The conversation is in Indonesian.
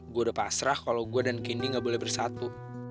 gue udah pasrah kalau gue dan kendi gak boleh bersatu